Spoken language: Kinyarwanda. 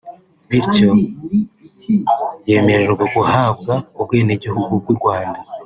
bityo yemererwa guhabwa ubwenegihugu bw’u Rwanda